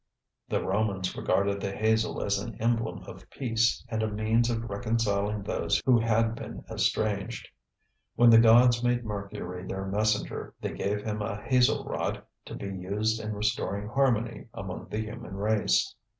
The Romans regarded the hazel as an emblem of peace and a means of reconciling those who had been estranged. When the gods made Mercury their messenger they gave him a hazel rod to be used in restoring harmony among the human race.